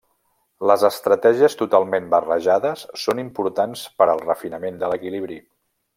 Les estratègies totalment barrejades són importants per al refinament de l'equilibri.